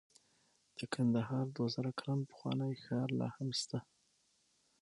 د کندهار دوه زره کلن پخوانی ښار لاهم شته